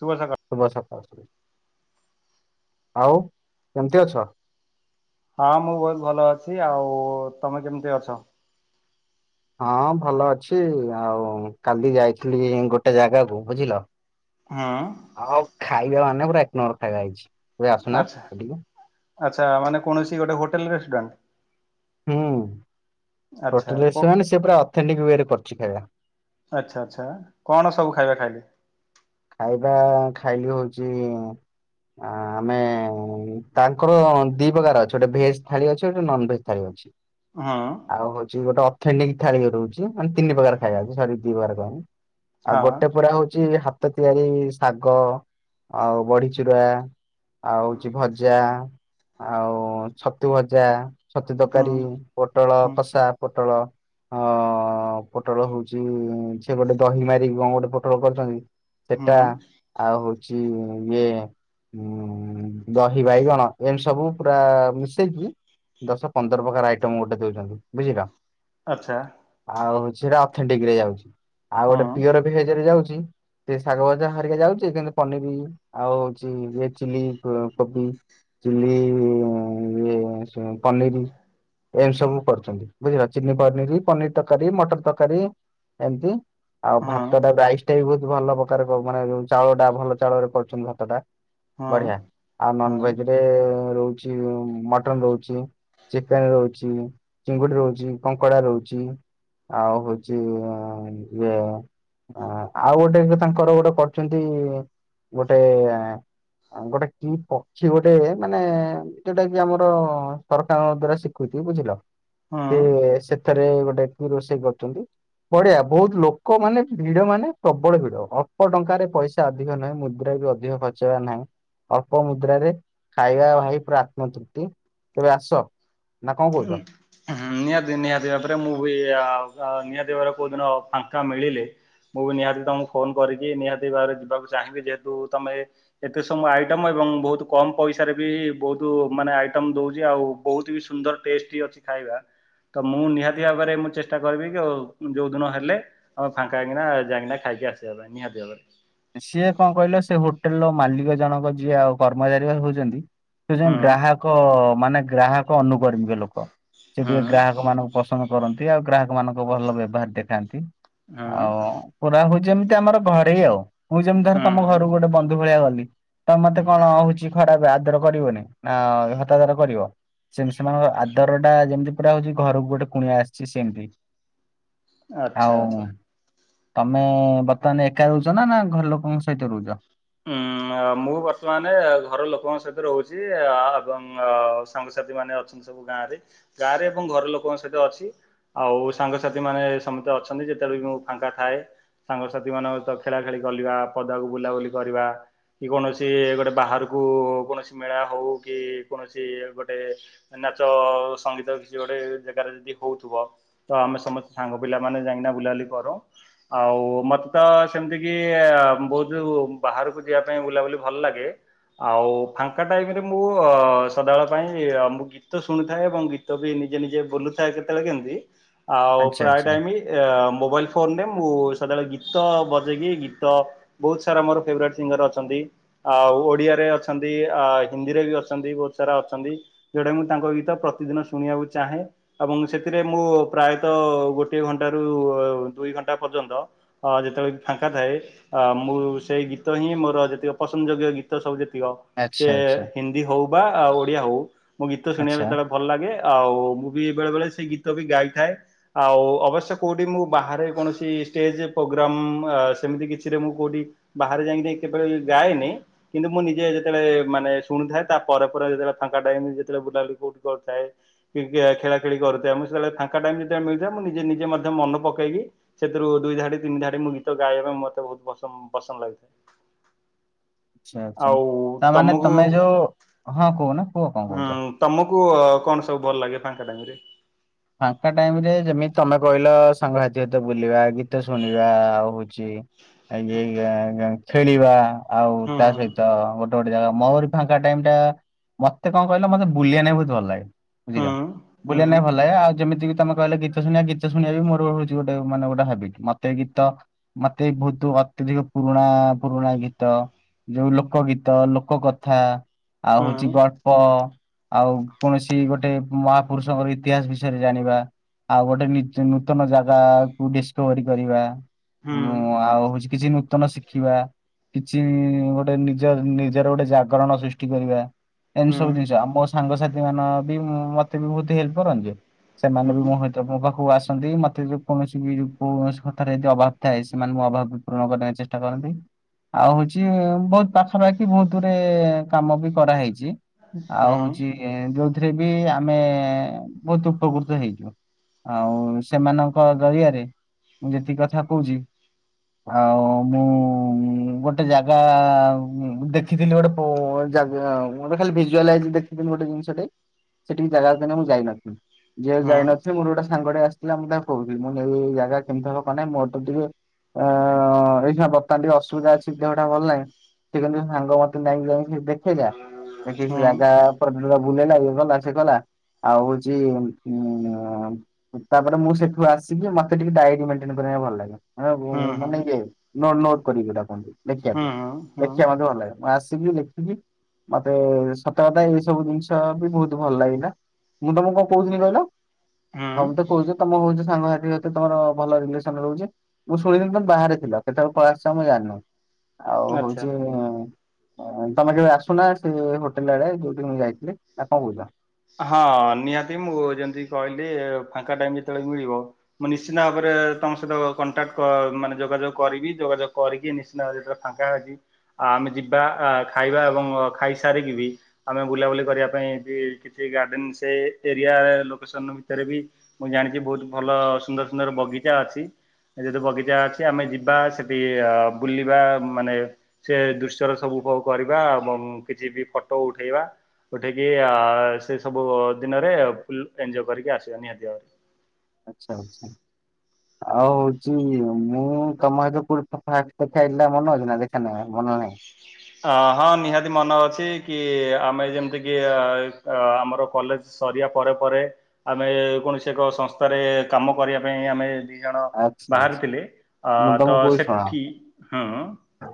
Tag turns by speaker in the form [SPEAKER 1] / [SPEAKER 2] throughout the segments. [SPEAKER 1] ଶୁଭ ସକା
[SPEAKER 2] ଶୁଭ ସକାଳ, ଆଉ କେମିତି ଅଛ?
[SPEAKER 1] ହଁ ମୁଁ ବହୁତ ଭଲ ଅଛି, ଆଉ ତମେ କେମିତି ଅଛ?
[SPEAKER 2] ହଁ ଭଲ ଅଛି ଆଉ କାଲି ଯାଇଥିଲି ଗୋଟେ ଜାଗାକୁ ବୁଝିଲ।
[SPEAKER 1] ହଁ।
[SPEAKER 2] ଆଉ ଖାଇବା ମାନେ ପୁରା ଏକ ନମ୍ବର ଖାଇବା ହେଇଛି, ଆସୁନା
[SPEAKER 1] ଆଚ୍ଛା
[SPEAKER 2] ସେଠିକୁ?
[SPEAKER 1] ଆଚ୍ଛା ମାନ କୌଣସି ଗୋଟେ ହୋଟେଲ ରେଷ୍ଟୁରାଣ୍ଟ?
[SPEAKER 2] ହୁଁ
[SPEAKER 1] ଆଚ୍ଛା
[SPEAKER 2] ହୋଟଲ
[SPEAKER 1] କୋ
[SPEAKER 2] ରେସୁରାଣ୍ଟ ସେ ପୁରା ଅଥେଣ୍ଟିକ୍ ୱେରେ କରିଛି ଖାଇବା।
[SPEAKER 1] ଆଚ୍ଛା ଆଚ୍ଛା କଣ ସବୁ ଖାଇବା ଖାଇଲେ?
[SPEAKER 2] ଖାଇବା ଖାଇଲୁ ହଉଚି ଆମେ ତାଙ୍କର ଦି ପ୍ରକାର ଅଛି ଗୋଟେ ଭେଜ୍ ଥାଳି ଅଛି ଗୋଟେ ନନ ଭେଜ ଥାଳି ଅ ଛି
[SPEAKER 1] ହଁ।
[SPEAKER 2] ଆଉ ହଉଛି ଗୋଟେ ଅଥେଣ୍ଟିକ ଥାଳି ରହୁଛି ମାନେ ତିନି ପ୍ରକାର ଖାଇବା, ସରି ଦି ପ୍ରକାର କହି ଆଉ
[SPEAKER 1] ହଁ
[SPEAKER 2] ଗୋଟେ ପୁରା ହଉଛି ହାତ ତିଆରି ଶାଗ ଆଉ ବଢିଚୁରା ଆଉ ହଉଛି ଭଜା, ଆଉ ଛତୁ ଭଜା। ଛତୀ
[SPEAKER 1] ହୁଁ
[SPEAKER 2] ତରକାରୀ, ପୋଟଳ
[SPEAKER 1] ହୁଁ
[SPEAKER 2] କଷା, ପୋଟଳ ହଁ ପୋଟଳ ହଉଛି ସେଏ ଗୋଟେ ଦହି ମାରିକି କଣ ଗୋଟେ ପୋଟଳ କରଛନ୍ତି ସେଟା
[SPEAKER 1] ହୁଁ
[SPEAKER 2] ଆଉ ହଉଛି ଇଏ ହୁଁ ଦହି ବାଇଗଣ ଏମତି ସବୁ ପୁରା ମିଶେଇକି ଦଶ ପନ୍ଦର ପ୍ରକାର ଆଇଟମ ଗୋଟେ ଦଉଛନ୍ତି ବୁଝିଲ?
[SPEAKER 1] ଆଚ୍ଛା।
[SPEAKER 2] ଆଉ ହଉଛି ସେଇଟା ଅଥେଣ୍ଟିକ ରେ ଯାଉଛି, ଆଉ
[SPEAKER 1] ହଁ
[SPEAKER 2] ଗୋଟେ ପିଓର ଭେଜ ରେ ଯାଉଛି ସେ ଶାଗ ଭଜା ହରିକା ଯାଉଛି, କିନ୍ତୁ ପନିରି, ଆଉ ହଉଛି ଇଏ ଚିଲି କୋବି ଚିଲି ୟେ ସେ ପାନୀରି। ଏମି ସବୁ କରୁଛନ୍ତି, ବୁଝିଲ ଚିଲି ପନିର, ପନିର ତରକାରୀ, ମଟର ତରକାରୀ, ଏମତି ଆଉ
[SPEAKER 1] ହଁ
[SPEAKER 2] ଭାତଟା, ରାଇସ ଟା ବି ବହୁତ ଭଲ ପ୍ରକାର ମାନେ ଯ ଚାଉଳ ଟା, ଭଲ ଚାଉଳରେ କରୁଛନ୍ତି ଭାତ ଟା।
[SPEAKER 1] ହଁ
[SPEAKER 2] ବଢିଆ ଆଉ
[SPEAKER 1] ହଁ
[SPEAKER 2] ନନ ଭେଜରେ ରହୁଛି, ମଟନ ରହୁଛି। ଚିକେନ ରହୁଛି, ଚିଙ୍ଗୁଡି ରହୁଛି, କଙ୍କଡା ରହୁଛି। ଆଉ ହଉଛି ଇଏ, ଆଉ ଗୋଟେ ତାଙ୍କର ଗୋଟେ କରଛନ୍ତି ଗୋଟେ ଗୋଟେ କି ପକ୍ଷୀ ଗୋଟେ ମାନେ ଯୋଉଟା କି ଆମର, ସରକାରଙ୍କ ଦ୍ଵାରା ସିକୃତି ବୁଝିଲ,
[SPEAKER 1] ହଁ
[SPEAKER 2] ସେ ଥରେ ଗୋଟେ ରୋଷେଇ କରୁଛନ୍ତି, ବଢିଆ ବହୁତ ଲୋକ ମାନେ ଭିଡ ମାନେ ପ୍ରବଳ ଭିଡ। ଅଳ୍ପ ଟଙ୍କାରେ ପଇସା ଅଧିକ ନାହିଁ ମୁଦ୍ରା ବି ଅଧିକ ଖର୍ଚ ହେବା ନାହିଁ। ଅଳ୍ପ ମୁଦ୍ରାରେ, ଖାଇବା ଭାଇ ପୁରା ଆତ୍ମ ତୃପ୍ତି, ତେବେ ଆସ ନା କଣ କହୁଛ?
[SPEAKER 1] ହୁଁ ନିହାତି ନିହାତି ଭାବରେ ମୁଁ ବି, ନିହାତି ଭାବରେ କୋଉ ଦିନ ଫାଙ୍କା ମିଳିଲେ ମୁଁ ବି ନିହାତି ତମକୁ ଫୋନ କରିକି, ନିହାତି ଭାବରେ ଯିବାକୁ ଚାହିଁବି, ଯେହେତୁ ତମେ ଏତେ ସବୁ ଆଇଟମ ଏବଂ ବହୁତ କମ ପଇସାରେ ବି, ବହୁତ ମାନେ ଆଇଟମ ଦଉଛି, ଆଉ ବହୁତ ବି ସୁନ୍ଦର ଟେଷ୍ଟି ଅଛି ଖାଇବା, ତ ମୁଁ ନିହାତି ଭାବରେ ମୁଁ ଚେଷ୍ଟା କରିବି, କି ଯୋଉ ଦିନ ହେଲେ ଆମେ ଫାଙ୍କା ହେଇକିନା, ଯାଇକିନା ଖାଇକି ଆସିବା ପାଇଁ, ନିହାତି ଭାବରେ।
[SPEAKER 2] ସିଏ କଣ କହିଲ ସେ ହୋଟେଲ ର ମାଲିକ ଜଣକ ଯିଏ ଆଉ କର୍ମଚାରୀ ହଉଛନ୍ତି ସେ
[SPEAKER 1] ହୁଁ
[SPEAKER 2] ହଉଛନ୍ତି ଗ୍ରାହକ ମାନେ ଗ୍ରାହକ ଅନୁକର୍ମୀ ଲୋକ। ସେ ଟିକେ
[SPEAKER 1] ହୁଁ
[SPEAKER 2] ଗ୍ରାହକ ମାନଙ୍କୁ ପସ ନ୍ଦ କରନ୍ତି ଆଉ ଗ୍ରାହକ ମାନଙ୍କୁ ଭଲ ବ୍ୟବହାର ଦେଖାନ୍ତି ଆଉ
[SPEAKER 1] ହୁଁ
[SPEAKER 2] ପୁରା ହଉ ଯେମିତି ଆମର ଘରେ ଆଉ, ମୁଁ ଯେମିତି ଧର ତମ
[SPEAKER 1] ହୁଁ
[SPEAKER 2] ଘରକୁ ଗୋଟେ ବନ୍ଧୁ ଭଳିଆ ଗଲି। ତ ମତେ
[SPEAKER 1] ହୁଁ
[SPEAKER 2] କଣ ହଉଛି ଖରାପ ଆଦର କରିବନି, ନା ହତାଦର କରିବ? ସେ ସେମାନଙ୍କ ଆଦର ଟା, ଯେମିତି ପୁରା ହଉଛି ଘରକୁ ଗୋଟେ କୁଣିଆ ଆସିଛି ସେମିତି।
[SPEAKER 1] ଆଚ୍ଛା
[SPEAKER 2] ଆଉ
[SPEAKER 1] ଆଚ୍ଛା
[SPEAKER 2] ତମେ ବର୍ତ୍ତମାନ ଏକା ରଉଛ ନା ନା? ଘର ଲୋକଙ୍କ ସହିତ ରହୁଛ?
[SPEAKER 1] ହଁ। ମୁଁ ବର୍ତ୍ତମାନ ଘର ଲୋକଙ୍କ ସହିତ ରହୁଛି ଏବଂ ସାଙ୍ଗସାଥି ମାନେ ଅଛନ୍ତି। ସବୁ ଗାଁ ରେ ଗାଁ ରେ ଏବଂ ଘର ଲୋକଙ୍କ ସହିତ ଅଛି। ଆଉ ସାଙ୍ଗସାଥି ମାନେ ସମସ୍ତେ ଅଛନ୍ତି, ଯେତେବେଳେ ବି ମୁଁ ଫାଙ୍କା ଥାଏ ସାଙ୍ଗସାଥି ମାନଙ୍କ ସହ ଖେଳା ଖେଳି କଲିବା, ପଦାକୁ ବୁଲାବୁଲି କରିବା। କି କୌଣସି ଗୋଟେ ବାହାରକୁ କୌଣସି ମେଳା ହଉ କି କୌଣସି ଗୋଟେ ନାଚ, ସଙ୍ଗୀତ କିଛି ଗୋଟେ ଜାଗାରେ ଯଦି ହଉଥିବ ତ ଆମେ ସମସ୍ତେ ସାଙ୍ଗ ପିଲାମାନେ ଯାଇକିନା ବୁଲାବୁଲି କରୁ। ଆଉ ମତେ ତ ସେମିତି କିି ବହୁତ ଜୋ ବାହାରକୁ ଯିବା ପାଇଁ ବୁଲାବୁଲି ଭଲ ଲାଗେ। ଆଉ ଫାଙ୍କା ଟାଇମରେ ମୁଁ ସଦାବେଳ ପାଇଁ ମୁ ଗି ଗୀତ ଶୁଣୁ ଥାଏ ଏବଂ ଗୀତ ବି ନିଜେ ନିଜେ ବୋଲୁଥାଏ କେତେବେଳେ କେମିତି ଆଉ
[SPEAKER 2] ଆଚ୍ଛା
[SPEAKER 1] ପ୍ରାୟ
[SPEAKER 2] ଆଚ୍ଛା।
[SPEAKER 1] ଟାଇମ ଏ ମୋବାଇଲ ଫୋନରେ ମୁଁ ସଦାବେଳେ ଗୀତ ବଜେଇକି ଗୀତ ବହୁତ ସାରା ମୋର ଫେବ୍ରେଟ ସିଙ୍ଗର ଅଛନ୍ତି। ଆଉ ଓଡିଆରେ ଅଛନ୍ତି ଆ ହିନ୍ଦୀରେ ବି ଅଛନ୍ତି ବହୁତ ସାରା ଅଛନ୍ତି। ଯୋଉଟା ମୁଁ ତାଙ୍କ ଗୀତ ପ୍ରତିଦିନ ଶୁଣିବାକୁ ଚାହେଁ। ଏବଂ ସେଥିରେ ମୁଁ ପ୍ରାୟତଃ ଗୋଟିଏ ଘଣ୍ଟା ରୁ ଦୁଇ ଘଣ୍ଟା ପର୍ଯ୍ୟନ୍ତ। ଅ ଯେତେବେଳେ ଫାଙ୍କା ଥାଏ ଅ ମୁଁ ସେଇ ଗୀତ। ଗୀତ ହିଁ ମୋର ଯେକ ପସନ୍ଦଯୋଗ୍ୟ ଗୀତ ସବୁ ଯେତିକ ସେ
[SPEAKER 2] ଆଚ୍ଛା ଆଚ୍ଛା
[SPEAKER 1] ହିନ୍ଦ। ହଉ ବା ଆଉ ଓଡିଆ ହଉ ମୁଁ ଗୀତ ଶୁଣିବା
[SPEAKER 2] ଆଚ୍ଛା
[SPEAKER 1] ସେତେବେଳେ ଭଲ ଲାଗେ ଆଉ ମୁଁ ବି ବେଳେ ବେଳେ ସେଇ ଗୀତ ବି ଗାଇଥାଏ। ଆଉ ଅବଶ୍ୟ କୋଉଠି ମୁଁ ବାହାରେ କୌଣସି ଷ୍ଟେଜ ପ୍ରୋଗ୍ରାମ ସେମିତି କିଛି। ମୁଁ କୋଉଠି ବାହାରେ ଯାଇକି କେତେବେଳେ ଗାଏନି। କିନ୍ତୁ ମୁଁ ନିଜେ ଯେତେବେଳେ ମାନେ ଶୁଣୁଥାଏ ତା ପରେ ଯେତେବେଳେ ଫାଙ୍କା ଟାଇମ ଯେତେବେଳେ ବୁଲାବୁଲି କୋଉଠି କରିୁଥାଏ। ଖେଳା ଖେଳି କରୁଥାଏ ମୁଁ ସେତେବେଳେ ଫାଙ୍କ ଟାଇମ ଯେତେବେଳେ ମିଳିଥାଏ ମୁଁ ନିଜେ ନିଜେ ମଧ୍ୟ ମନ ପକେଇକି। ସେଥିରୁ ଦୁଇ ଧାଡି ତିନି ଧାଡି ମୁଁ ଗୀତ ଗାଇବା ପାଇଁ ମତେ ବହୁତ ପସନ୍ଦ ପସନ୍ଦ ଲାଗୁଛି।
[SPEAKER 2] ଆଛା ଆଛା
[SPEAKER 1] ଆଉ
[SPEAKER 2] ତାମାନେ
[SPEAKER 1] ତମକୁ
[SPEAKER 2] ତମେ ଯୋଉ ହଁ କହୁନ?
[SPEAKER 1] ହୁଁ ତମକୁ କଣ ସବୁ ଭଲ ଲାଗେ ଫାଙ୍କା ଟାଇମରେ
[SPEAKER 2] ଫାଙ୍କା ଟାଇମରେ ଯେମିତି ତମେ କହିଲ ସାଙ୍ଗସାଥି ବୁଲିବା ଗୀତ ଶୁଣିବା ଆଉ ହଉଛି। [unintelligible] ଖେଳିବା ଆଉ
[SPEAKER 1] ହୁଁ
[SPEAKER 2] ତା ସହିତ ଗୋ ଗୋଟେ ଗୋଟେ ଜାଗା ମୋହରି ଫାଙ୍କା ଟାଇମ ମତେ କଣ କହିଲେ ମତେ ବୁଲିବା ନାଗି ବହୁତ ଭଲ ଲାଗେ।
[SPEAKER 1] ହୁଁ
[SPEAKER 2] ବୁଝିକା
[SPEAKER 1] ହୁଁ
[SPEAKER 2] ବୁଲିଆ ନାଇଁ ଭଲ ଆଉ ଯେମତିି ତମେ କହିଲେ ଗୀତ ଶୁଣିବା ଗୀତ ଶୁଣିବା ବି ମୋର ହଉଛି ଗୋଟେ ମାନେ ଗୋଟେ ହାବିଟ୍ ମତେ ଗୀତ ମତେ ବହୁତ ଅତ୍ୟଧିକ ପୁରୁଣା ପୁରୁଣା ଗୀତ। ଯୋଉ ଲୋକ ଗୀତ ଲୋକ କଥା। ଆଉ ହଉଛି
[SPEAKER 1] ହୁଁ
[SPEAKER 2] ଗଳ୍ପ ଆଉ କୌଣସି ଗୋଟେ ମହାପୁରୁଷଙ୍କର ଇ ତିହାସ ବିଷୟରେ ଜାଣିବା ଆଉ ଗୋଟେ ନି-ନୂତନ ଜାଗାକୁ ଡିସକଭରି କରିବା। ହୁଁ ଆଉ ହଉଛି କିଛି ନୂତନ ଶିଖିବା। କିଛି ଗୋଟେ ନିଜ ନିଜର ଗୋଟେ ଜାଗରଣ ସୃଷ୍ଟି କରିବା। ଏମିତି
[SPEAKER 1] ହୁଁ
[SPEAKER 2] ସବୁ ଜିନିଷ ଆଉ ମୋ ସାଙ୍ଗସାଥି ମାନେ ବି ମତେ ବି ବହୁତ ହେଲ୍ପ କରନ୍ତି
[SPEAKER 1] ହୁଁ ହୁଁ ହୁଁ
[SPEAKER 2] ସେମାନେ ବି
[SPEAKER 1] ହୁଁ
[SPEAKER 2] ମୁଁ ତ ମୋ ପାଖକୁ ଆସନ୍ତି ମତେ ଯ କୌଣସି ବି କୌଣସି କଥାରେ ଯଦି ଅଭାବ ଥାଏ ସେମାନେ ମୁଁ ଅଭାବ ପୂରଣ କରିବାକୁ ଚେଷ୍ଟା କରନ୍ତି। ଆଉ ହଉଛି ବହୁତ ପାଖାପାଖି ବହୁତ ଦୂରେ କାମ ବି କରାହେଇଛି। ଆଉ ହଉଛି ଯୋଉଥିରେ ବି ଆମେ ବହୁତ ଉପକୃତ ହେଇଛୁ। ଆଉ ସେମାନଙ୍କ ଜରିଆରେ ମୁଁ ଯେତିକି କଥା କହୁଛି। ଆଉ ମୁଁ ଗୋଟେ ଜାଗା ଦେଖ ଖିଥିଲି ଗୋଟେ ଗୋଟେ ଖାଲି ଭଜୁ ଦେଖିଥିଲି ଗୋଟେ ଜିନିଷେ, ସେଠିକି ଜାଗାକୁ କେ ମୁଁ ଯାଇନଥିଲି ଯିଏ ଯାଇନଥିଲି ମୋର ଗୋଟେ ସାଙ୍ଗ ଆସ ଥିଲା ମୁଁ ତାକୁ କହୁଥିଲି ମୁଁ ଏଇ ଜାଗା କେମିତି ହବ କ ନାହିଁ ମୁଁ ଅଟୋ ଟିକେ ଅ ଏଇ ବର୍ତମାନ ଟିକେ ଅସୁବିଧା ଅଛି ଦେହଟା ଭଲ ନାହିଁ। ସେନ୍ତୁ ସାଙ୍ଗ ମତେ ଯାଇକି ଯାଇ ଦେ ଦୋ
[SPEAKER 1] ହୁଁ
[SPEAKER 2] ଦେଖ ସେ
[SPEAKER 1] ହୁଁ
[SPEAKER 2] ଜାଗା ବୁଲେଇଲା ଏ ଗଲା ସେ କଲା ଆଉ ଯେ ଉଁ ତାପରେ ମୁଁ ସେଠୁ ଆସିକି ମତେ ଟିକେ ଡାଏରୀ ମେଣ୍ଟେନକୁ ଭଲ ଲାଗେ। ମାନେ ଇଏ ନୋଟ ନୋଟ କରିକି ଯଉଟା କୁହନ୍ତି ଲେଖିବାକୁ
[SPEAKER 1] ହୁଁ ହୁଁ
[SPEAKER 2] ଲେଖିବା ମତେ ଭଲ ଲାଗେ। ମୁଁ ଆସିକି ଲେଖିକି ମତେ ସତ କଥା ଏଇ ସବୁ ଜିନିଷ ବି ବହୁତ ଭଲ ଲାଗିଲା। ମୁଁ ତମକୁ କଣ କହୁଥିଲି କହିଲ
[SPEAKER 1] ହୁଁ
[SPEAKER 2] ତମତେ କହୁଛ ତମ ହଉଛି ସାଙ୍ଗ ସାଥି ସହିତ ତମ ଭଲ ରିଲେସନ ରହୁଛି। ମୁଁ ଶୁଣଦିନ ତ ବାହାରେ ଥିଲ କେତେବେଳ ପଳସ ମୁଁ ଜାଣିନି ଆଉ
[SPEAKER 1] ଆଚ୍ଛା
[SPEAKER 2] ହଉଛି ତମେ କେବେ ଆସୁନା ସେ ହୋଟେଲ ଆଡେ ଯୋଉଠି ମୁଁ ଯାଇଥିଲି ଆଉ କଣ କହୁଛ।
[SPEAKER 1] ହଁ ନିହାତି ମୁଁ ଯେମିତି କହିଲି ଫାଙ୍କା ଟାଇମ ଯେତେବେଳେ ମିଳିବ। ମୁଁ ନିଶ୍ଚିନ୍ତ ଭାବରେ ତମ ସହିତ କଣ୍ଟାକ୍ଟ କ ମାନେ ଯୋଗାଯୋଗ କରିବି ଯୋଗାଯୋଗ କରିକି ନି ଫାଙ୍କାଛି ଆ ଆମେ ଯିବା ଖାଇବା ଏବଂ ଖାଇସାରିକି ବି ଆମେ ବୁଲାବୁଲି କରିବା ପାଇଁ ବି କିଛି ଗାର୍ଡେନ ସେ ଏରିଆ ଲୋକେସନ ଭିତରେ ବି ମୁଁ ଜାଣିଛି ବହୁତ ଭଲ ସୁନ୍ଦର ସୁନ୍ଦର ବଗିଚା ଅଛି। ଏଠି ଗୋଟେ ବଗିଚା ଅଛି ଆମେ ଯିବା ସେଠି ଅ ବୁଲିବା ମାନେ ସେ ଦୃଶ୍ୟର ସବୁ ଉପୋଭଗ କରିବା ଉଁ କିଛି ବି ଫଟୋ ଉଠେଇବା। ଉଠେଇକି ଆ ସେ ସବୁ ଦିନରେ ଫୁଲ ଏନଜୟ କରିକି ଆସିବ ନିହାତି ଭାବରେ
[SPEAKER 2] ଆଚ୍ଛା ଆଚ୍ଛା। ଆଉ ହଉଛି ମୁଁ ତମ [unintelligible] ଫାଷ୍ଟ ଦେଖା ହେଇଥିଲା ମନେ ଅଛି ନା ଦେଖା ନାହିଁ ମନ ନାହିଁ?
[SPEAKER 1] ଅ ହଁ ନିହାତି ମନେ ଅଛି କି ଆମେ ଯେମିତି କିି ଆମର କଲେଜ ସରିବା ପରେ ପରେ ଆମେ କୌଣସି ଏକ ସଂସ୍ଥାରେ କାମ କରିବା ପାଇଁ ଆମେ ଜଣ
[SPEAKER 2] ଆଚ୍ଛା
[SPEAKER 1] ବାହାରି
[SPEAKER 2] ଆଚ୍ଛା
[SPEAKER 1] ଥିଲେ ଅ
[SPEAKER 2] ମୁଁ ତମକୁ
[SPEAKER 1] ତ
[SPEAKER 2] କହୁଛି ଶୁଣ
[SPEAKER 1] ସେଠି ହଁ।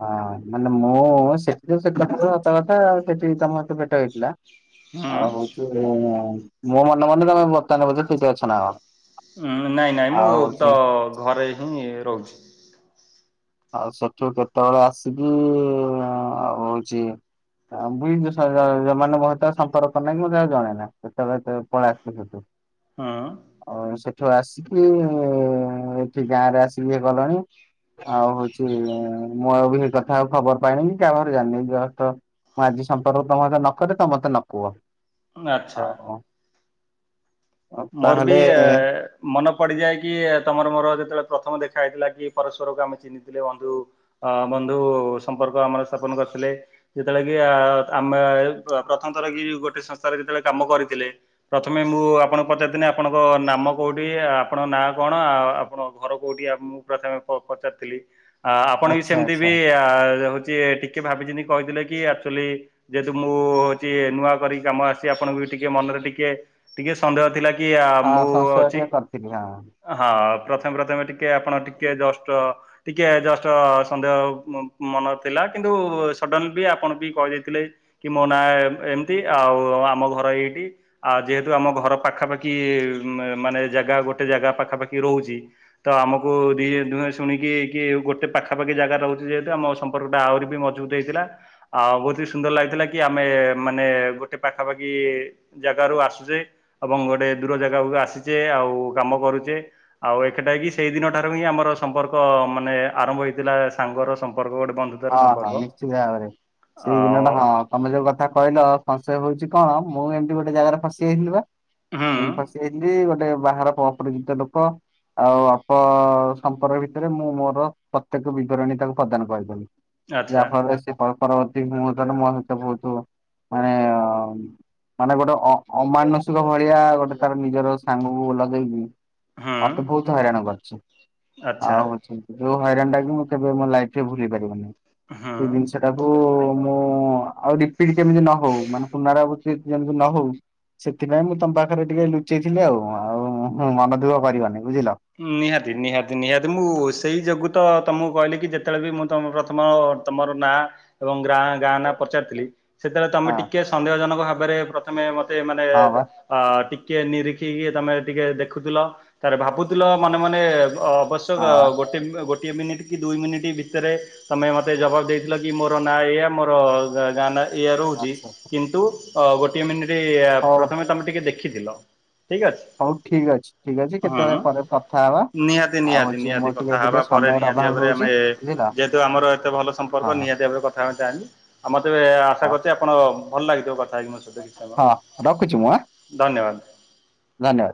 [SPEAKER 2] ହଁ ମାନେ ମୁଁ ସେଠି ତ କ ହ କଥା ଆଉ ସେଠି ତମ ସହିତ ଦେ ଖା ହେଇଥିଲା ଆଉ
[SPEAKER 1] ହୁଁ
[SPEAKER 2] ହଉଛି ମୋ ମନେ ମନେ ତମେ ବର୍ତ୍ତମାନ ବାର ତତେ ଅଛ ନା କଣ।
[SPEAKER 1] ଉ ନାଇଁ ନାଇଁ ମୁଁ
[SPEAKER 2] ଆଉ ହଉଛି
[SPEAKER 1] ତ ଘରେ ହିଁ ରହୁଛି।
[SPEAKER 2] ଆଉ ସେଠୁ କେତେବେଳେ ଆସିକି ଆଉ ହଉଛି [unintelligible] ମୋର ତାର ସମ୍ପର୍କ ନାହିଁ ମତେ ଆକୁ ଜଣେଇନି କେତେବେଳେତେ ପଳେଇ ଆସୁୁ। [inaudible]
[SPEAKER 1] ହଁ।
[SPEAKER 2] ଆଉ ସେଠୁ ଆସିକି ଏଠି ଗାଁରେ ଆସିକି ଇଏ କଲଣି ଆଉ ହଉଛି ମୁଁ ଆଉ ବି ହେଇ କଥା ଆଉ ଖବର ପାଇନି କି କାହାଘରେ ଜାଣିନି। ମୁଁ ଆଜି ସମ୍ପର୍କ ତମ ସାଥେ ନକରେ ତମେ ମତେ ନ କୁହ
[SPEAKER 1] ଆଚ୍ଛା।
[SPEAKER 2] ଆଉ
[SPEAKER 1] ମୋର ବି
[SPEAKER 2] ତାହେଲେ
[SPEAKER 1] ମନେ ପଡିଯାଏ କି ତମର ମୋର ଯେତେବେଳେ ପ୍ରଥମ ଦେଖା ହେଇଥିଲା କି ପରସ୍ପରକୁ ଆମେ ଚିହ୍ନିଥିଲେ ବନ୍ଧୁ। ଅ ବନ୍ଧୁ ସମ୍ପର୍କ ଆମର ସ୍ଥାପନ କରିଥିଲେ। ଯେତେବେଳେ କି ଆମେ ପ୍ରଥମଥର କି ଗୋଟେ ସଂସ୍ଥାରେ ଯେତେବେଳେ କାମ କରିଥିଲେ। ପ୍ରଥମେ ମୁଁ ଆପଣ ପଚାରିଥିଲି ଆପଣଙ୍କ ନାମ କୋଉଠି ଆପଣଙ୍କ ନାଁ କଣ ଆଉ ଆପଣଙ୍କ ଘର କୋଉଠି ମୁଁ ପ୍ରଥମେ ପଚାରିଥିଲି ଆ ଆପଣ ବି
[SPEAKER 2] ଆଚ୍ଛା
[SPEAKER 1] ସେମିତି
[SPEAKER 2] ଆଚ୍ଛା
[SPEAKER 1] ବି ହଉଛି ଟି କେ ଭାବିଚିନ୍ତି କହିଥିଲେ କି ଆକ୍ଚୁଆଲି ଯେହେତୁ ମୁଁ ହଉଛି ନୂଆ କରିି କାମ ଆସିଛି ଆପଣଙ୍କୁ ବି ଟିକେ ମନରେ ଟିକେ ଟିକେ ସନ୍ଦେହ କିଆ
[SPEAKER 2] ହଁ
[SPEAKER 1] ମୁଁ
[SPEAKER 2] ସଂଶୟ
[SPEAKER 1] ଅଛି।
[SPEAKER 2] ଟିକେ କରିଥିଲି ହଁ
[SPEAKER 1] ହଁ ପ୍ରଥମେ ପ୍ରଥମେ ଟିକେ ଆପଣ ଟିକେ ଜଷ୍ଟ ଟିକେ ଜଷ୍ଟ ସନ୍ଦେହ ମନରେ ଥିଲା କିନ୍ତୁ ସଡନ ବି ଆପଣ ବି କହି ଦେଇଥିଲେ। କି ମୋ ନା ଏମତି ଆଉ ଆମ ଘର ଏଇଠି ଆଉ ଯେହେତୁ ଆମ ଘର ପାଖାପାଖି ମାନେ ଜାଗା ଗୋଟେ ଜାଗା ପାଖାପାଖି ରହୁଛି ତ ଆମକୁି ଦିଏ ଦୁହେଁ ଶୁଣିକି କି ଗୋଟେ ପାଖାପାଖି ଜାଗା ରହୁଛି ଯେହେତୁ ଆମ ସମ୍ ମ୍ପର୍କଟା ଆହୁରି ବି ମଜବୁତ ହେଇଥିଲା। ଆଉ ବହୁତ ସୁନ୍ଦର ଲାଗିଥିଲା କି ଆମେ ମାନେ ଗୋଟେ ପାଖାପାଖି ଯାଗାରୁ ଆସୁଛେ ଏବଂ ଗୋଟେ ଦୂର ଯାଗାକୁ ଆସିଛେ ଆଉ କାମ କରୁଛେ। ଆଉ ଏଟା କିି ସେଇ ଦିନ ଠାରୁ ହିଁ ଆମର ସମ୍ପର୍କ ମାନେ ଆରମ୍ଭ ହେଇଥିଲା ସାଙ୍ଗର ସମ୍ପର୍କ ଗୋଟେ ବନ୍ଧୁ
[SPEAKER 2] ହଁ ହଁ ନିଶ୍ଚିତ ଭାବରେ
[SPEAKER 1] ଆଉ
[SPEAKER 2] ସେଇଦିନଟା ହଁ। ତମେ ଯୋଉ କଥା କହିଲ ସଂଶୟ ହଉଛି କଣ ମୁଁ ଏମତି ଗୋଟେ ଜାଗାରେ ଫସିଯାଇଥିଲିବା
[SPEAKER 1] ହୁଁ
[SPEAKER 2] ଏମତି ଫସିଯାଇ ଗୋଟେ ବାହାର ଅପରିଚିତ ଲୋକ। ଆଉ ଅଳ୍ପ ସମ୍ପର୍କ ଭିତରେ ମୁଁ ମୋର ପ୍ରତ୍ୟେକ ବିବରଣୀ ତାକୁ ପ୍ରଦାନ କରିଦେଲିି। ଯାହା
[SPEAKER 1] ଆଚ୍ଛା
[SPEAKER 2] ଫଳରେ ସେ ପରବତୀ ମୁହୂର୍ତରେ ମୋ ସହିତ ବହୁତ ମାନେ ମାନେ ଗୋଟେ ଅମାନସିକ ଭଳିଆ ଗୋଟେ ତାର ନିଜର ସାଙ୍ଗକୁ ଲଗେଇକି
[SPEAKER 1] ହୁଁ
[SPEAKER 2] ମତେ ବହୁତ ହଇରାଣ କରିଛି
[SPEAKER 1] ଆଚ୍ଛା
[SPEAKER 2] ଆଉଛି। ଯୋଉ ହଇରାଣଟା କି ମୁଁ କେବେ ମୋ ଲାଇଫରେ ଭୁଲି ପାରିବ ନାହିଁ।
[SPEAKER 1] [inaudible]
[SPEAKER 2] ସେ ଜିନିଷଟାକୁ ମୁଁ ଆଉ ରିପିଟ କେମତି ନହଉ ମାନେ ପୁନରାବୃତ୍ତି ଯେମିତି ନହଉ। ସେଥିପାଇଁ ମୁଁ ତମ ପାଖରେ ଟିକେ ଲୁଚେଇଥିଲି ଆଉ ଆଉ ମନଦୁଃଖ କରିବନି ବୁଝିଲ।
[SPEAKER 1] ନିହାତି ନିହାତି ନିହାତି ମୁଁ ସେଇ ଯୋଗୁ ତ ତମକୁ କହିଲି କି ଯେତେବେଳେ ବି ମୁଁ ତମ ପ୍ରଥମ ତମର ନାଁ ଏବଂ ଗ୍ରା ଗାଁ ନା ପଚାରିଥିଲି ସେତେବେଳେ
[SPEAKER 2] ହଁ
[SPEAKER 1] ତମେ ଟିକେ ସନ୍ଦେହ ଜନକ ଭାବରେ ପ୍ରଥମେ ମତେ ମାନେ
[SPEAKER 2] ହଁ ବା
[SPEAKER 1] ଅ ଟିକେ ନିରିଖିକି ତମେ ଟିକେ ଦେଖୁଥିଲ, ତାରେ ଭାବୁଥିଲ ମନେ ମନେ ଅବଶ୍ୟ ଗ
[SPEAKER 2] ହଁ ବା
[SPEAKER 1] ଗୋଟେ ଗୋଟିଏ ମିନିଟ୍ କି ଦୁଇ ମିନିଟ୍ ଭିତରେ ତମେ ମତେ ଜବାବ ଦେଇଥିଲ କି ମୋର ନାଁ ଏଇଆ ମୋର ଗାଁ ନା ଇଏ ରହୁଛି
[SPEAKER 2] ଆଚ୍ଛା ଆଚ୍ଛା
[SPEAKER 1] କିନ୍ତୁ ଅ ଗୋଟିଏ ମିନିଟ
[SPEAKER 2] ହଉ
[SPEAKER 1] ପ୍ରଥମେ ତମେ ଟିକେ ଦେଖିଥିଲ। ଠିକ ଅଛି
[SPEAKER 2] ହଉ ଠିକ ଅଛି ଠିକ ଅଛି
[SPEAKER 1] ହଁ।
[SPEAKER 2] କେତେବେଳେ ପରେ କଥା ହବା।
[SPEAKER 1] ନିହାତି
[SPEAKER 2] ଆଉ
[SPEAKER 1] ନିହାତି
[SPEAKER 2] ହଉଛି
[SPEAKER 1] ନିହାତି
[SPEAKER 2] ମୋର ଟିକେ
[SPEAKER 1] କଥା
[SPEAKER 2] ଏବେ
[SPEAKER 1] ହେବା
[SPEAKER 2] ଟିକେ
[SPEAKER 1] ପରେ
[SPEAKER 2] ସମୟର
[SPEAKER 1] ନିହାତି
[SPEAKER 2] ଅଭାବ
[SPEAKER 1] ଭାବରେ
[SPEAKER 2] ରହୁଛି
[SPEAKER 1] ଆମେ
[SPEAKER 2] ବୁଝିଲ
[SPEAKER 1] ଯେହେତୁ ଆମର ଏତେ ଭଲ
[SPEAKER 2] ହଁ
[SPEAKER 1] ସମ୍ପର୍କ ନିହାତି। [unintelligible] କଥା ହେବା ପାଇଁଁ ଚାହିଁବି ଆଉ ମୋତେ ଆଶା
[SPEAKER 2] ହଁ
[SPEAKER 1] କରିଛି ଆପଣ ଭଲ ଲାଗିଥିବ କଥା ହେଇକି ମୋ ସହ
[SPEAKER 2] ହଁ ରଖୁଛି ମୁଁ ଆଁ
[SPEAKER 1] ଧନ୍ୟବାଦ। [unintelligible]
[SPEAKER 2] ଧନ୍ୟବାଦ।